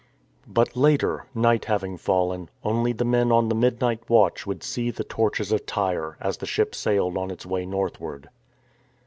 But later, night having fallen, only the men on the midnight watch would see the torches of Tyre as the ship sailed on its way northward.